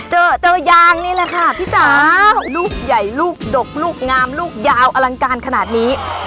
เจอเจอยางนี่แหละค่ะพี่จ๋าลูกใหญ่ลูกดกลูกงามลูกยาวอลังการขนาดนี้